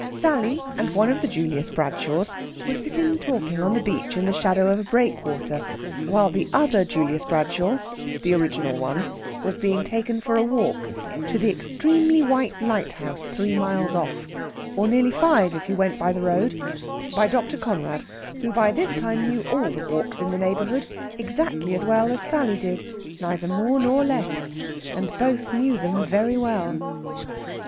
Sally and one of the Julius Bradshaws were sitting talking on the beach in the shadow of a breakwater, while the other Julius Bradshaw (the original one) was being taken for a walk to the extremely white lighthouse three miles off, or nearly five if you went by the road, by Dr. Conrad, who by this time knew all the walks in the neighbourhood exactly as well as Sally did, neither more nor less. And both knew them very well.